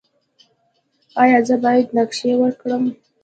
ایا زه باید نقاشي وکړم؟